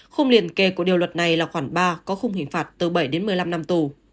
khung liền kề của điều luật này là khoản ba có khung hình phạt từ bảy đến một mươi năm năm tù